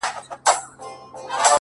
نوره به دي زه له ياده وباسم؛